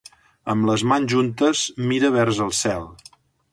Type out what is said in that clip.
Amb les mans juntes, mira vers el cel.